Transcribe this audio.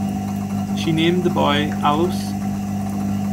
She named the boy Alois.